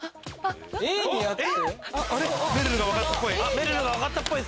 めるるが分かったっぽい。